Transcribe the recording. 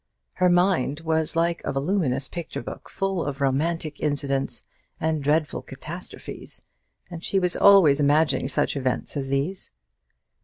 Her mind was like a voluminous picture book, full of romantic incidents and dreadful catastrophes; and she was always imagining such events as these.